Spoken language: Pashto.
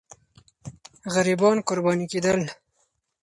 غریبان قرباني کېدل.